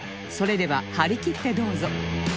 それでは張り切ってどうぞ